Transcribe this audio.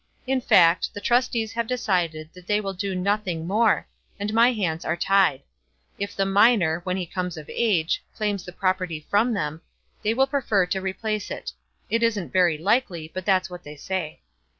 In fact, the trustees have decided that they will do nothing more, and my hands are tied. If the minor, when he comes of age, claims the property from them, they will prefer to replace it. It isn't very likely; but that's what they say."